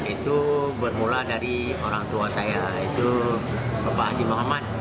itu bermula dari orang tua saya itu bapak haji muhammad